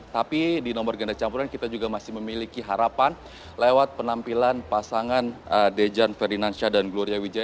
tapi di nomor ganda campuran kita juga masih memiliki harapan lewat penampilan pasangan dejan ferdinandsyah dan gloria wijaya